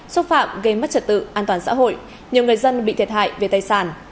xúc phạm gây mất trật tự an toàn xã hội nhiều người dân bị thiệt hại về tài sản